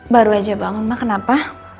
baru aja bangun mak kenapa